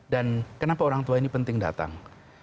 dan kenapa orang tua ini penting datang